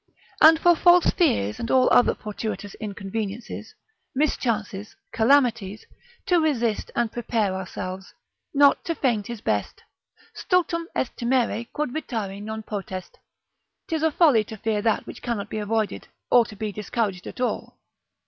And for false fears and all other fortuitous inconveniences, mischances, calamities, to resist and prepare ourselves, not to faint is best: Stultum est timere quod vitari non potest, 'tis a folly to fear that which cannot be avoided, or to be discouraged at all.